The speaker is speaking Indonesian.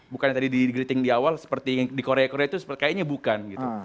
bukan yang tadi di grieting di awal seperti di korea korea itu kayaknya bukan gitu